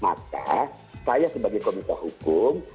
maka saya sebagai komisa hukum